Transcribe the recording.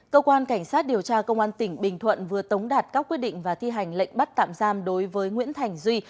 cơ quan cảnh sát điều tra công an tỉnh bình thuận vừa tống đạt các quyết định và thi hành lệnh bắt tạm giam đối với nguyễn thành duy